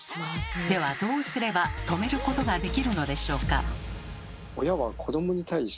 ではどうすれば止めることができるのでしょうか？